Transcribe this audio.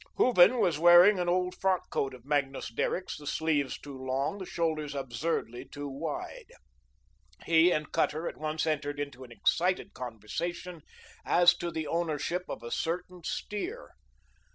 Hooven was wearing an old frock coat of Magnus Derrick's, the sleeves too long, the shoulders absurdly too wide. He and Cutter at once entered into an excited conversation as to the ownership of a certain steer.